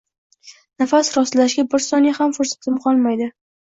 nafas rostlashga bir soniya ham fursatim qolmaydi.